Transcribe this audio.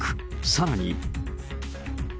さらに。